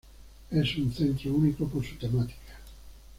Es un centro único por su temática.